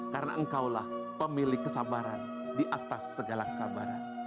karena engkaulah pemilik kesabaran di atas segala kesabaran